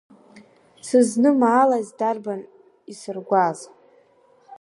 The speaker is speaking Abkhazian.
Сызнымаалаз дарбан исыргәааз?